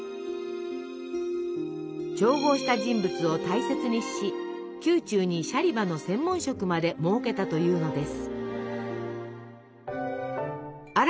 調合した人物を大切にし宮中にシャリバの専門職まで設けたというのです。